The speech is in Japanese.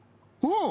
うん。